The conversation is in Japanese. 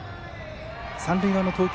三塁側の投球